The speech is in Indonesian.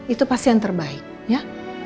itu pasti yang terbaik ya